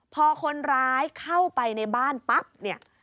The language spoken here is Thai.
พอคนร้ายเข้าไปในบ้านปั๊บเนี่ย